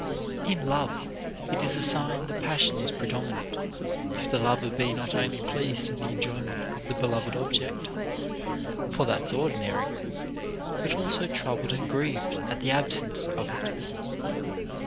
In love, it is a sign the passion is predominant, if the lover be not only pleased in the enjoyment of the beloved object (for that's ordinary), but also troubled and grieved at the absence of it.